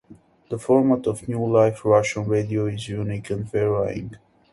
The format of New Life Russian Radio is unique and varying.